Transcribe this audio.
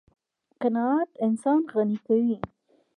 قناعت انسان غني کوي.